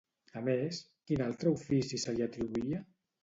A més, quin altre ofici se li atribuïa?